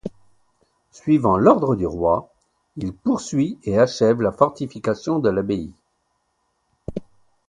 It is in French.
Suivant l'ordre du roi, il poursuit et achève la fortification de l'abbaye.